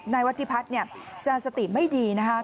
นายวัฒิพัฒน์จะสติไม่ดีนะคะ